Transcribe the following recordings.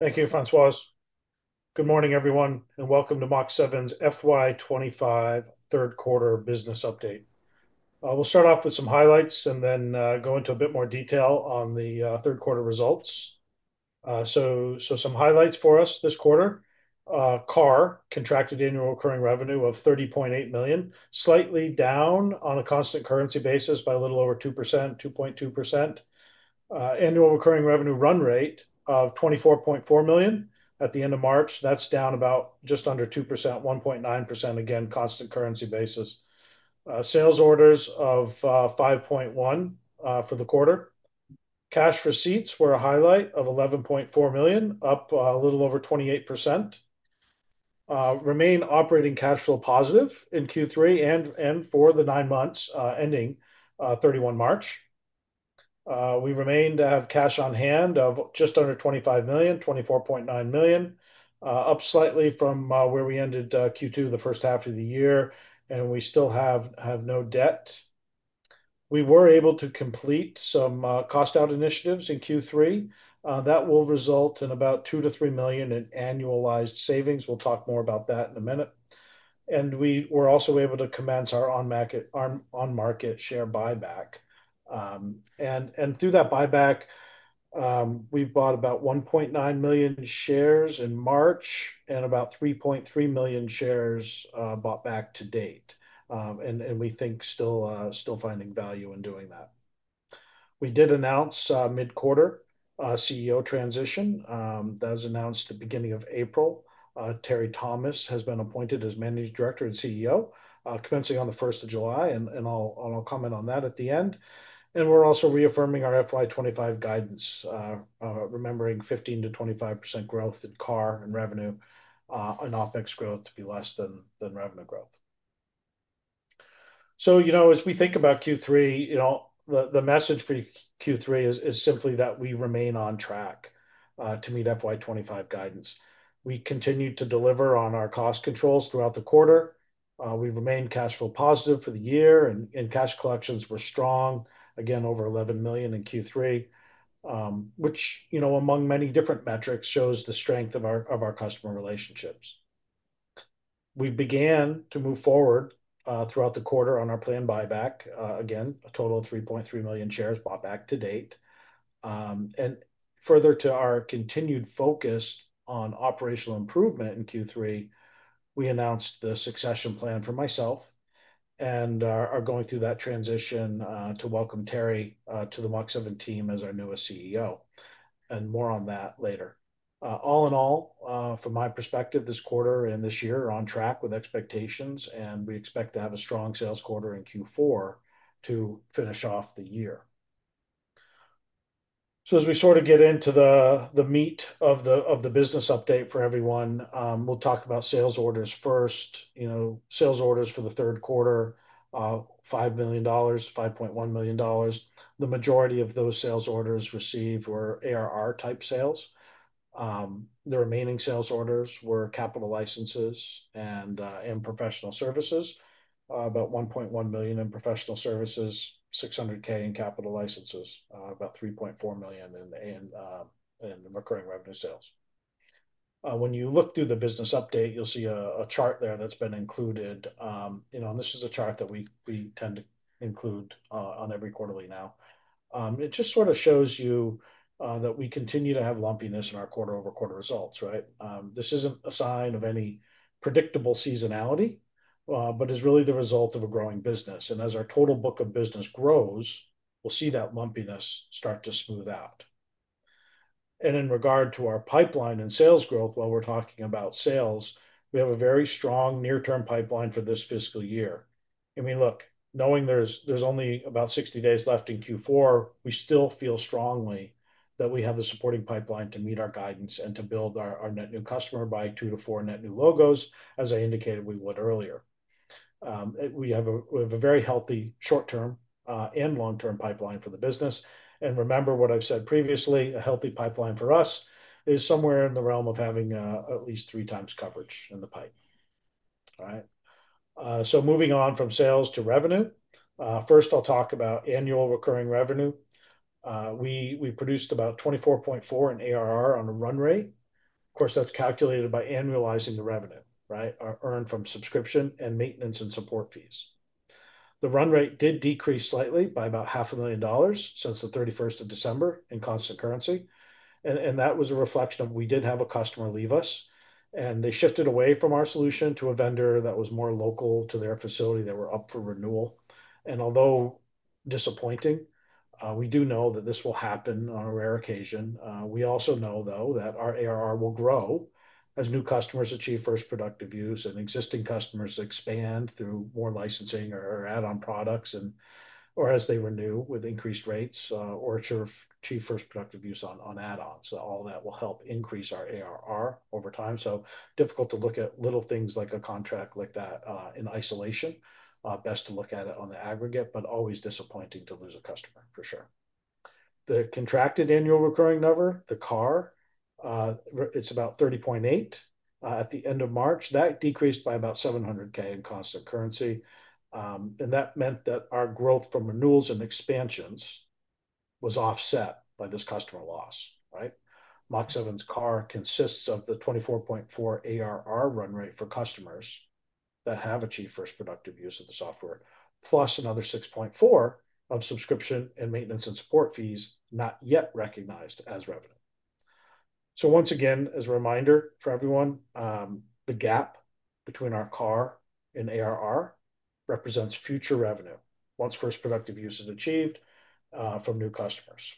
Thank you, Françoise. Good morning, everyone, and welcome to Mach7's FY2025 third-quarter business update. We'll start off with some highlights and then go into a bit more detail on the third-quarter results. Some highlights for us this quarter: CAR, Contracted Annual Recurring Revenue, of 30.8 million, slightly down on a constant currency basis by a little over 2%, 2.2%. Annual Recurring Revenue run rate of 24.4 million at the end of March. That's down about just under 2%, 1.9%, again, constant currency basis. Sales orders of 5.1 million for the quarter. Cash receipts were a highlight of 11.4 million, up a little over 28%. Remain operating cash flow positive in Q3 and for the nine months ending 31 March. We remained to have cash on hand of just under 25 million, 24.9 million, up slightly from where we ended Q2 the first half of the year, and we still have no debt. We were able to complete some cost-out initiatives in Q3. That will result in about 2-3 million in annualized savings. We'll talk more about that in a minute. We were also able to commence our on-market share buyback. Through that buyback, we bought about 1.9 million shares in March and about 3.3 million shares bought back to date. We think still finding value in doing that. We did announce mid-quarter CEO transition. That was announced at the beginning of April. Terry Thomas has been appointed as Managing Director and CEO, commencing on the 1st of July, and I'll comment on that at the end. We are also reaffirming our FY2025 guidance, remembering 15%-25% growth in CAR and revenue, and OpEx growth to be less than revenue growth. You know, as we think about Q3, you know, the message for Q3 is simply that we remain on track to meet FY2025 guidance. We continue to deliver on our cost controls throughout the quarter. We remained cash flow positive for the year, and cash collections were strong, again, over 11 million in Q3, which, you know, among many different metrics, shows the strength of our customer relationships. We began to move forward throughout the quarter on our planned buyback, again, a total of 3.3 million shares bought back to date. Further to our continued focus on operational improvement in Q3, we announced the succession plan for myself and are going through that transition to welcome Terry to the Mach7 team as our newest CEO. More on that later. All in all, from my perspective, this quarter and this year are on track with expectations, and we expect to have a strong sales quarter in Q4 to finish off the year. As we sort of get into the meat of the business update for everyone, we'll talk about sales orders first. You know, sales orders for the third quarter, 5 million dollars, 5.1 million dollars. The majority of those sales orders received were ARR-type sales. The remaining sales orders were capital licenses and professional services, about 1.1 million in professional services, 600,000 in capital licenses, about 3.4 million in recurring revenue sales. When you look through the business update, you'll see a chart there that's been included. You know, and this is a chart that we tend to include on every quarterly now. It just sort of shows you that we continue to have lumpiness in our quarter-over-quarter results, right? This isn't a sign of any predictable seasonality, but it's really the result of a growing business. As our total book of business grows, we'll see that lumpiness start to smooth out. In regard to our pipeline and sales growth, while we're talking about sales, we have a very strong near-term pipeline for this fiscal year. I mean, look, knowing there's only about 60 days left in Q4, we still feel strongly that we have the supporting pipeline to meet our guidance and to build our net new customer by two to four net new logos, as I indicated we would earlier. We have a very healthy short-term and long-term pipeline for the business. Remember what I've said previously, a healthy pipeline for us is somewhere in the realm of having at least three times coverage in the pipe. All right? Moving on from sales to revenue, first I'll talk about annual recurring revenue. We produced about 24.4 million in ARR on a run rate. Of course, that's calculated by annualizing the revenue, right, earned from subscription and maintenance and support fees. The run rate did decrease slightly by about 500,000 dollars since the 31st of December in constant currency. That was a reflection of we did have a customer leave us, and they shifted away from our solution to a vendor that was more local to their facility. They were up for renewal. Although disappointing, we do know that this will happen on a rare occasion. We also know, though, that our ARR will grow as new customers achieve first productive use and existing customers expand through more licensing or add-on products, or as they renew with increased rates or achieve first productive use on add-ons. All that will help increase our ARR over time. It is difficult to look at little things like a contract like that in isolation. It is best to look at it on the aggregate, but always disappointing to lose a customer, for sure. The contracted annual recurring number, the CAR, is about 30.8 million at the end of March. That decreased by about 700,000 in constant currency. That meant that our growth from renewals and expansions was offset by this customer loss, right? Mach7's CAR consists of the 24.4 million ARR run rate for customers that have achieved first productive use of the software, plus another 6.4 million of subscription and maintenance and support fees not yet recognized as revenue. Once again, as a reminder for everyone, the gap between our CAR and ARR represents future revenue once first productive use is achieved from new customers.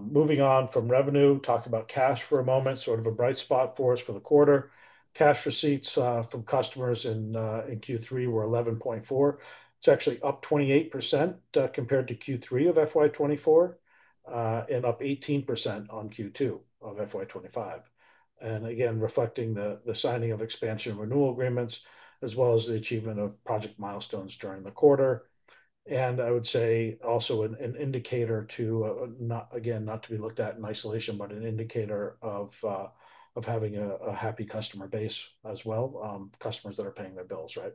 Moving on from revenue, talking about cash for a moment, sort of a bright spot for us for the quarter. Cash receipts from customers in Q3 were 11.4 million. It's actually up 28% compared to Q3 of FY2024 and up 18% on Q2 of FY2025. Again, reflecting the signing of expansion renewal agreements, as well as the achievement of project milestones during the quarter. I would say also an indicator to, again, not to be looked at in isolation, but an indicator of having a happy customer base as well, customers that are paying their bills, right?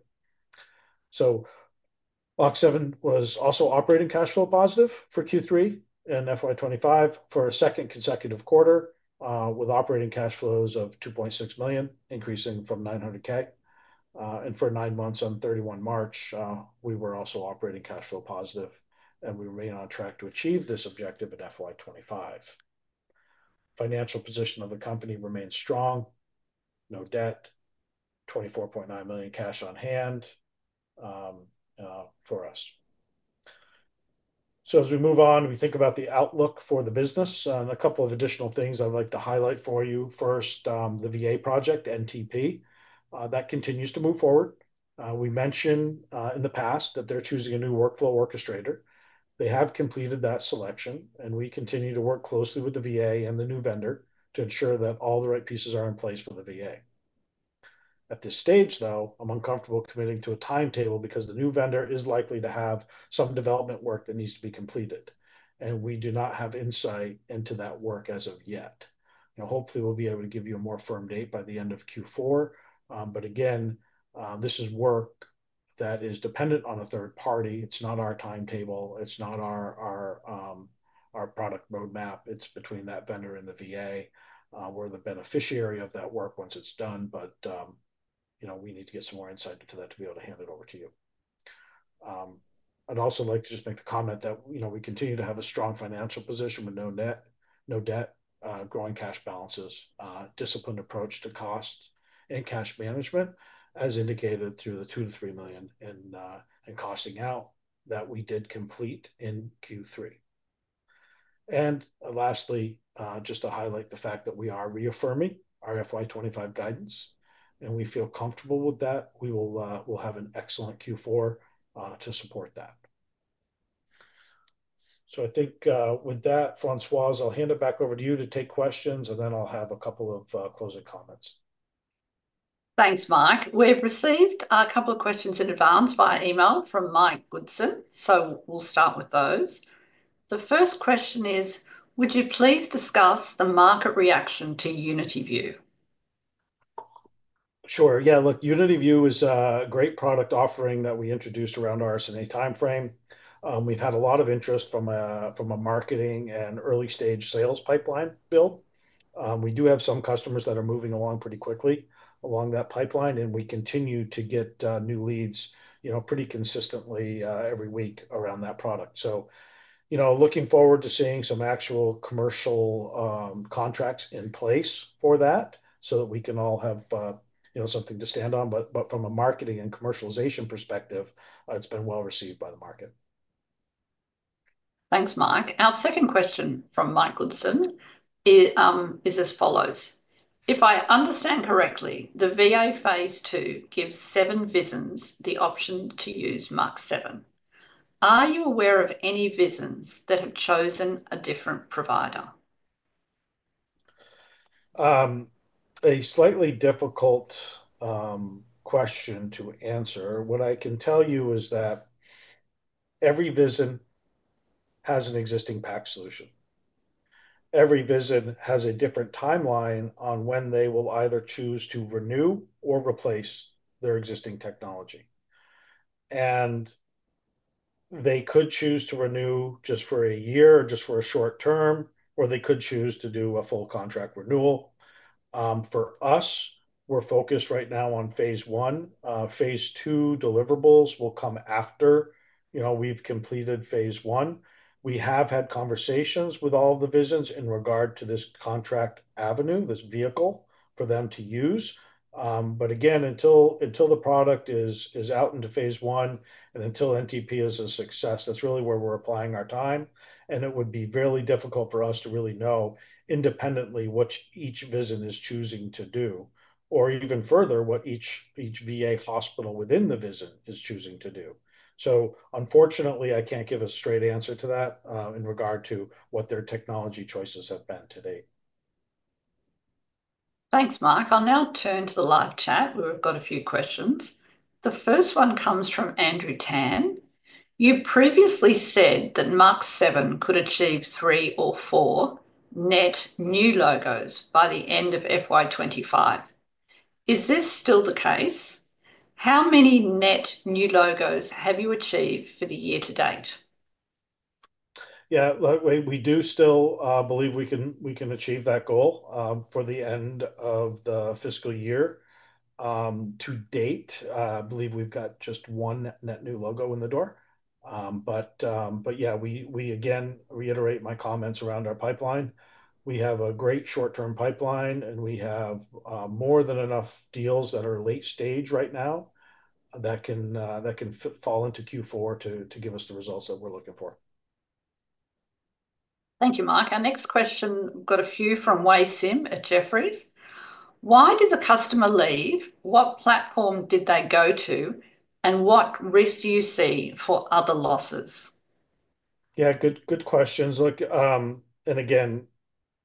Mach7 was also operating cash flow positive for Q3 and FY2025 for a second consecutive quarter with operating cash flows of 2.6 million, increasing from 900,000. For nine months on 31 March, we were also operating cash flow positive, and we remain on track to achieve this objective at FY2025. Financial position of the company remains strong, no debt, 24.9 million cash on hand for us. As we move on, we think about the outlook for the business and a couple of additional things I'd like to highlight for you. First, the VA project, NTP, that continues to move forward. We mentioned in the past that they're choosing a new workflow orchestrator. They have completed that selection, and we continue to work closely with the VA and the new vendor to ensure that all the right pieces are in place for the VA. At this stage, though, I'm uncomfortable committing to a timetable because the new vendor is likely to have some development work that needs to be completed, and we do not have insight into that work as of yet. Hopefully, we'll be able to give you a more firm date by the end of Q4. This is work that is dependent on a third party. It's not our timetable. It's not our product roadmap. It's between that vendor and the VA. We're the beneficiary of that work once it's done, but we need to get some more insight into that to be able to hand it over to you. I'd also like to just make the comment that we continue to have a strong financial position with no debt, growing cash balances, disciplined approach to cost and cash management, as indicated through the 2 million-3 million in costing out that we did complete in Q3. Lastly, just to highlight the fact that we are reaffirming our FY2025 guidance, and we feel comfortable with that, we will have an excellent Q4 to support that. I think with that, Françoise, I'll hand it back over to you to take questions, and then I'll have a couple of closing comments. Thanks, Mike. We've received a couple of questions in advance via email from Mike Goodson, so we'll start with those. The first question is, would you please discuss the market reaction to UnityView? Sure. Yeah, look, UnityView is a great product offering that we introduced around RSNA timeframe. We've had a lot of interest from a marketing and early-stage sales pipeline build. We do have some customers that are moving along pretty quickly along that pipeline, and we continue to get new leads, you know, pretty consistently every week around that product. You know, looking forward to seeing some actual commercial contracts in place for that so that we can all have something to stand on. From a marketing and commercialization perspective, it's been well received by the market. Thanks, Mike. Our second question from Mike Goodson is as follows. If I understand correctly, the VA phase two gives seven visions the option to use Mach7. Are you aware of any visions that have chosen a different provider? A slightly difficult question to answer. What I can tell you is that every VISN has an existing PACS solution. Every VISN has a different timeline on when they will either choose to renew or replace their existing technology. They could choose to renew just for a year or just for a short term, or they could choose to do a full contract renewal. For us, we're focused right now on phase one. Phase two deliverables will come after, you know, we've completed phase one. We have had conversations with all the VISNs in regard to this contract avenue, this vehicle for them to use. Again, until the product is out into phase one and until NTP is a success, that's really where we're applying our time. It would be fairly difficult for us to really know independently what each VISN is choosing to do, or even further, what each VA hospital within the VISN is choosing to do. Unfortunately, I can't give a straight answer to that in regard to what their technology choices have been to date. Thanks, Mike. I'll now turn to the live chat. We've got a few questions. The first one comes from Andrew Tan. You previously said that Mach7 could achieve three or four net new logos by the end of FY2025. Is this still the case? How many net new logos have you achieved for the year to date? Yeah, look, we do still believe we can achieve that goal for the end of the fiscal year. To date, I believe we've got just one net new logo in the door. Yeah, we again reiterate my comments around our pipeline. We have a great short-term pipeline, and we have more than enough deals that are late stage right now that can fall into Q4 to give us the results that we're looking for. Thank you, Mike. Our next question, we've got a few from Wassim at Jefferies. Why did the customer leave? What platform did they go to? What risk do you see for other losses? Yeah, good questions. Look, and again,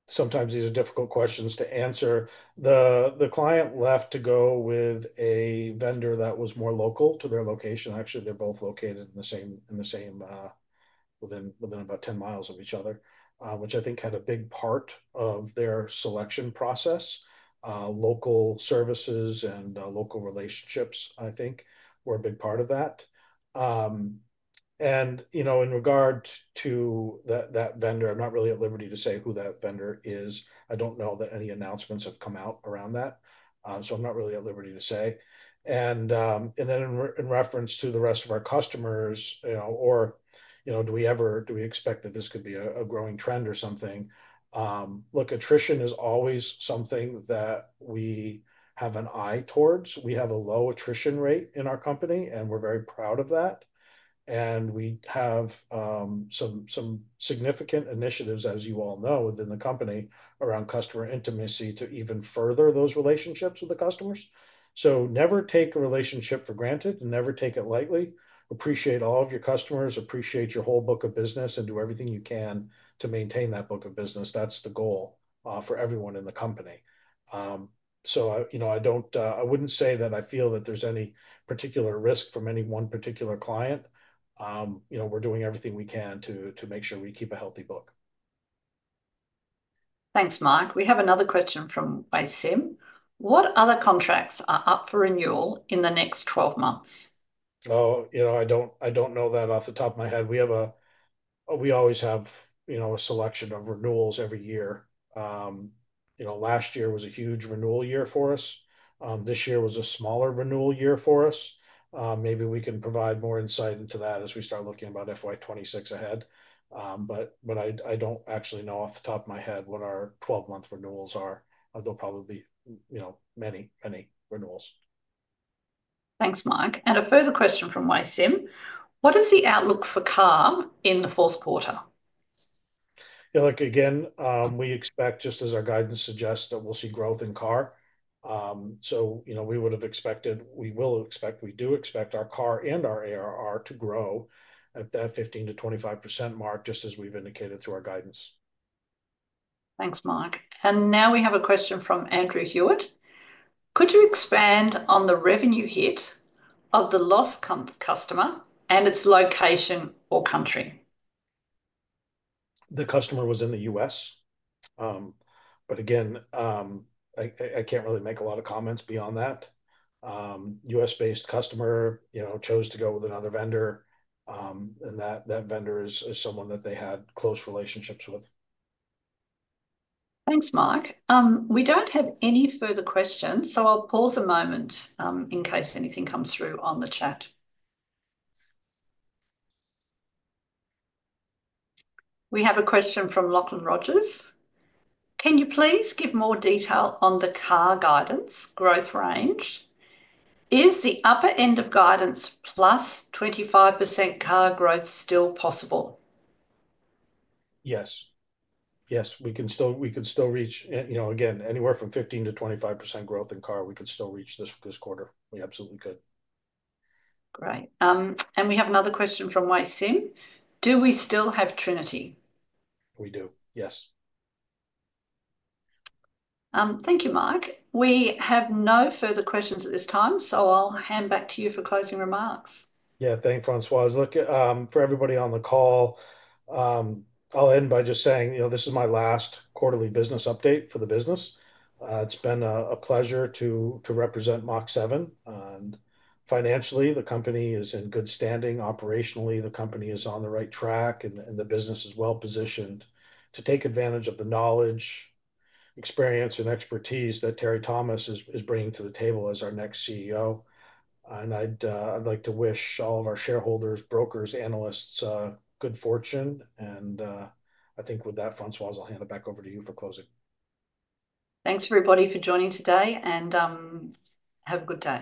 sometimes these are difficult questions to answer. The client left to go with a vendor that was more local to their location. Actually, they are both located in the same, within about 10 mi of each other, which I think had a big part of their selection process. Local services and local relationships, I think, were a big part of that. You know, in regard to that vendor, I am not really at liberty to say who that vendor is. I do not know that any announcements have come out around that. I am not really at liberty to say. In reference to the rest of our customers, or, you know, do we ever, do we expect that this could be a growing trend or something? Look, attrition is always something that we have an eye towards. We have a low attrition rate in our company, and we're very proud of that. We have some significant initiatives, as you all know, within the company around customer intimacy to even further those relationships with the customers. Never take a relationship for granted and never take it lightly. Appreciate all of your customers, appreciate your whole book of business, and do everything you can to maintain that book of business. That's the goal for everyone in the company. You know, I don't, I wouldn't say that I feel that there's any particular risk from any one particular client. You know, we're doing everything we can to make sure we keep a healthy book. Thanks, Mike. We have another question from Wassim. What other contracts are up for renewal in the next 12 months? Oh, you know, I don't know that off the top of my head. We always have a selection of renewals every year. You know, last year was a huge renewal year for us. This year was a smaller renewal year for us. Maybe we can provide more insight into that as we start looking about FY2026 ahead. I don't actually know off the top of my head what our 12-month renewals are. There'll probably be, you know, many, many renewals. Thanks, Mike. A further question from Wassim. What is the outlook for CAR in the fourth quarter? Yeah, look, again, we expect, just as our guidance suggests, that we'll see growth in CAR. You know, we would have expected, we will expect, we do expect our CAR and our ARR to grow at that 15%-25% mark, just as we've indicated through our guidance. Thanks, Mike. Now we have a question from Andrew Hewitt. Could you expand on the revenue hit of the lost customer and its location or country? The customer was in the U.S. Again, I can't really make a lot of comments beyond that. U.S.-based customer, you know, chose to go with another vendor, and that vendor is someone that they had close relationships with. Thanks, Mike. We do not have any further questions, so I will pause a moment in case anything comes through on the chat. We have a question from Lachlan Rogers. Can you please give more detail on the CAR guidance growth range? Is the upper end of guidance plus 25% CAR growth still possible? Yes. Yes, we can still reach, you know, again, anywhere from 15-25% growth in CAR, we could still reach this quarter. We absolutely could. Great. We have another question from Wassim. Do we still have Trinity? We do, yes. Thank you, Marc. We have no further questions at this time, so I'll hand back to you for closing remarks. Yeah, thanks, Françoise. Look, for everybody on the call, I'll end by just saying, you know, this is my last quarterly business update for the business. It's been a pleasure to represent Mach7. Financially, the company is in good standing. Operationally, the company is on the right track, and the business is well positioned to take advantage of the knowledge, experience, and expertise that Terry Thomas is bringing to the table as our next CEO. I'd like to wish all of our shareholders, brokers, analysts good fortune. I think with that, Françoise, I'll hand it back over to you for closing. Thanks, everybody, for joining today, and have a good day.